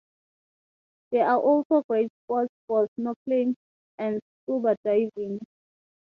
There are also great spots for snorkelling and scuba diving.